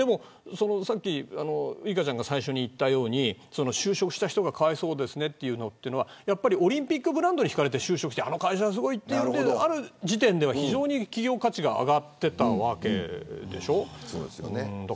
さっきウイカちゃんが最初に言ったように就職した人がかわいそうですねというのはオリンピックブランドにひかれて就職してあの会社はすごいっていってある時点では非常に企業価値が上がっていたわけでしょう。